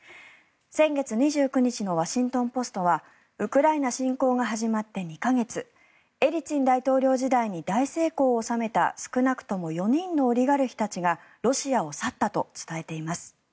先月２９日のワシントン・ポストはウクライナ侵攻が始まって２か月エリツィン大統領時代に大成功を収めた少なくとも４人のオリガルヒたちがロシアを去ったと伝えています。